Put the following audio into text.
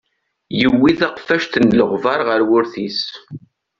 Yuwi taqfact n leɣbar ɣer wurti-s.